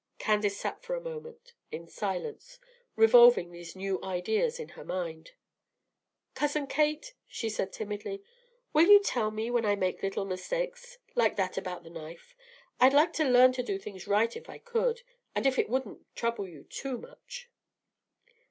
Candace sat for a moment in silence, revolving these new ideas in her mind. "Cousin Kate," she said timidly, "will you tell me when I make little mistakes, like that about the knife? I'd like to learn to do things right if I could, and if it wouldn't trouble you too much."